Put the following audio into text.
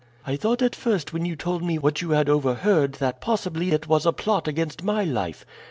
I thought at first when you told me what you had overheard that possibly it was a plot against my life.